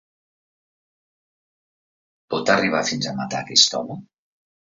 Pot arribar fins a matar aquest home?